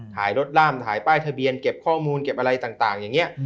ถ่ายรถร่ามถ่ายป้ายทะเบียนเก็บข้อมูลเก็บอะไรต่างอย่างนี้